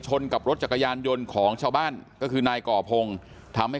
กับรถจักรยานยนต์ของชาวบ้านก็คือนายก่อพงศ์ทำให้